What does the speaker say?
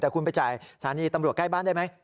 แต่คุณไปจ่ายสถานีตำรวจใกล้บ้านได้ไหม